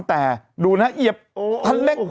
แต่ดูนะฮะเอียบคันเล็ก